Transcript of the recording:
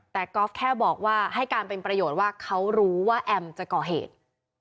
แต่ก๊อฟแค่บอกว่าให้การเป็นประโยชน์ว่าเขารู้ว่าแอมจะก่อเหตุ